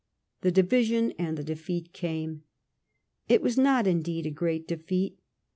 The division and the defeat came. It was not, in deed, a great defeat.